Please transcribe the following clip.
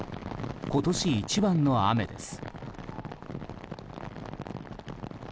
今年一番の雨です。